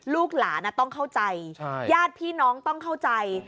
ลูกหลานต้องเข้าใจญาติพี่น้องต้องเข้าใจ